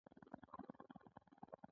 د ډبرو سکاره او اوبه هم په دې ډله کې دي.